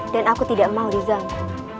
dan aku tidak mau diganggu